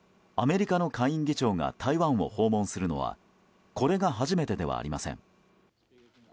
アメリカの下院議長が台湾を訪問するのはこれが初めてではありません。